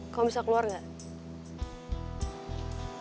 kau bisa keluar gak